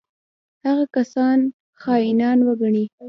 هغه کسان خاینان وګڼي.